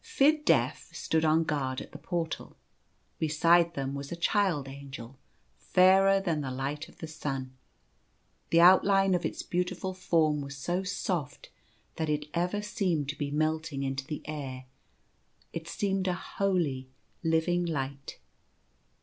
Fid Def stood on guard at the Portal. Beside them was a Child Angel, fairer than the light of the sun. The outline of its beautiful form was so soft that it ever seemed to be melting into the air; it seemed a holy living light.